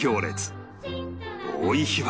多い日は